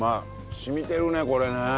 染みてるねこれね。